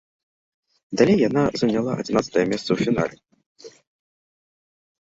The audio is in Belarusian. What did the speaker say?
Далей яна заняла адзінаццатае месца ў фінале.